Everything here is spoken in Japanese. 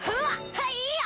はいや！